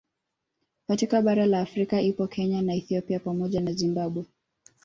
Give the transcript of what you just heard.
Katika bara la Afrika ipo Kenya na Ethipia pamoja na Zimbabwe